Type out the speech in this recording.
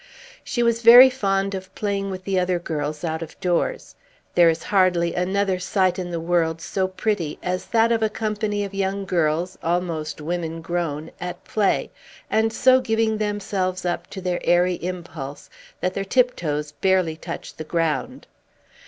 She was very fond of playing with the other girls out of doors. There is hardly another sight in the world so pretty as that of a company of young girls, almost women grown, at play, and so giving themselves up to their airy impulse that their tiptoes barely touch the ground.